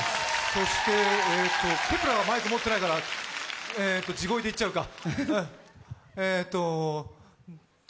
Ｋｅｐ１ｅｒはマイク持ってないから、地声でいっちゃうか。